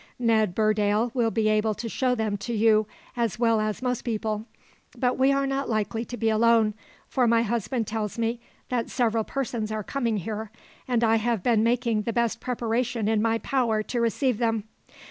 Ned Burdale will be able to show them to you as well as most people; but we are not likely to be alone, for my husband tells me that several persons are coming here, and I have been making the best preparation in my power to receive them.